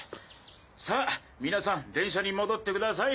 さあ皆さん電車に戻って下さい。